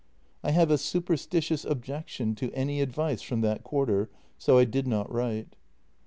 I have a superstitious objection to any advice from that quarter, so I did not write.